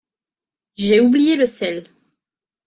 J’ai oublié le sel.